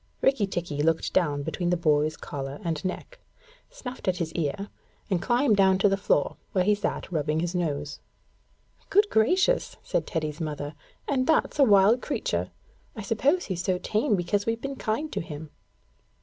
Rikki tikki looked down between the boy's collar and neck, snuffed at his ear, and climbed down to the floor, where he sat rubbing his nose. 'Good gracious,' said Teddy's mother, 'and that's a wild creature! I suppose he's so tame because we've been kind to him.'